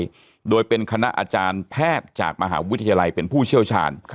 ด้วยโดยเป็นคณะอาจารย์แพทย์จากมหาวิทยาลัยเป็นผู้เชี่ยวชาญ